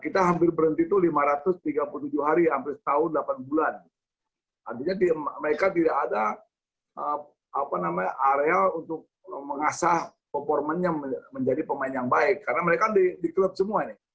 tim tim tim